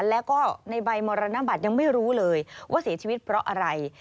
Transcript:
แล้วก็ในใบมรณบัตรยังไม่รู้เลยว่าเสียชีวิตเพราะอะไร